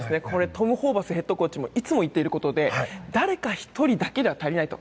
トム・ホーバスヘッドコーチもいつも言っていることで誰か１人だけでは足りないと。